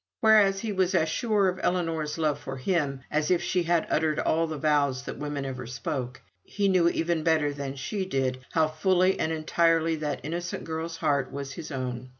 Whereas he was as sure of Ellinor's love for him as if she had uttered all the vows that women ever spoke; he knew even better than she did how fully and entirely that innocent girlish heart was his own.